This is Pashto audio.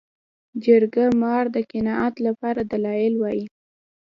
جرګه مار د قناعت لپاره دلایل وايي